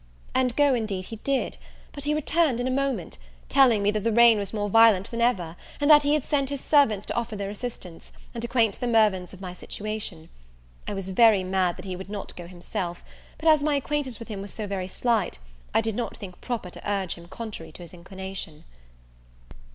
And go, indeed, he did; but he returned in a moment, telling me that the rain was more violent than ever, and that he had sent his servants to offer their assistance, and acquaint the Mirvans of my situation. I was very mad that he would not go himself; but as my acquaintance with him was so very slight, I did not think proper to urge him contrary to his inclination.